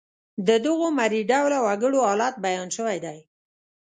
د دغو مري ډوله وګړو حالت بیان شوی دی.